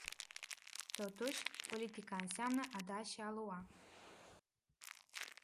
Totuși, politica înseamnă a da și a lua.